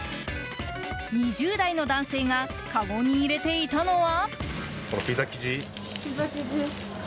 ２０代の男性がかごに入れていたのは。